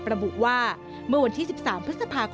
ทำไมเราต้องเป็นแบบเสียเงินอะไรขนาดนี้เวรกรรมอะไรนักหนา